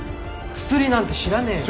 薬なんて知らねえ。